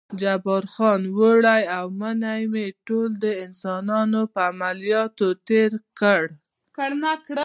جبار خان: اوړی او منی مې ټول د انسانانو په عملیاتولو تېر کړل.